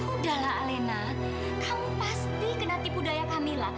udahlah alena kamu pasti kena tipu daya kamila